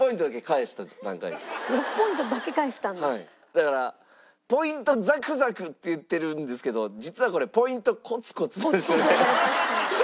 だからポイントザクザクって言ってるんですけど実はこれポイントコツコツなんですよね。